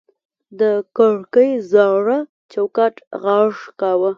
د کړکۍ زاړه چوکاټ غږ کاوه.